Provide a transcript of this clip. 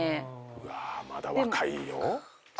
うわまだ若いよ。